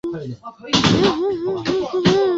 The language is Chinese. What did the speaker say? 民国时期广东军阀陈济棠三子。